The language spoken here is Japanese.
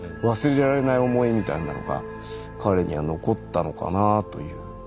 忘れられない思いみたいなのが彼には残ったのかなぁという。